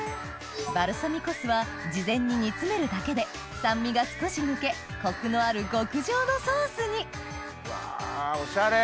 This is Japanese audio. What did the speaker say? バルサミコ酢は事前に煮詰めるだけで酸味が少し抜けコクのある極上のソースにうわオシャレ！